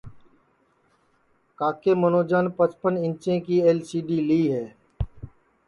کاکے منوجان پچپن اینچیں کی ال سی ڈی لی ہے